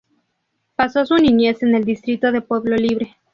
Pasó su niñez en el distrito de Pueblo Libre.